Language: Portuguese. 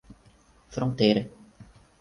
Fronteira